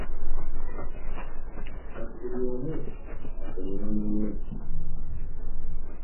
Kati bulu omu asonyiiwe munne.